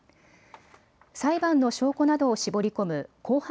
裁判の証拠などを絞り込む公判